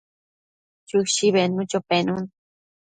Chushi bednucho penun